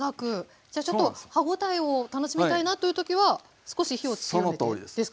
じゃちょっと歯応えを楽しみたいなという時は少し火を強めてですか？